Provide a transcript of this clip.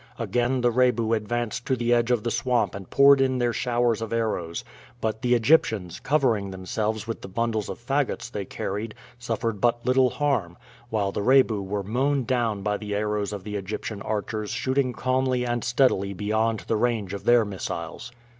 Again the Rebu advanced to the edge of the swamp and poured in their showers of arrows; but the Egyptians, covering themselves with the bundles of fagots they carried, suffered but little harm, while the Rebu were mown down by the arrows of the Egyptian archers shooting calmly and steadily beyond the range of their missiles.